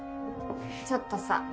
ちょっとさ